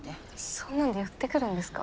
そんなんで寄ってくるんですか？